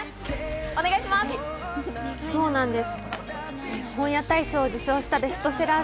お願いします。